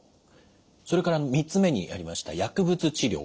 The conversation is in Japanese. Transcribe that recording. それから３つ目にありました薬物治療。